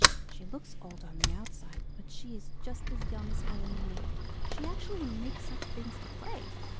She looks old on the outside, but she is just as young as Helen and me. She actually makes up things to play!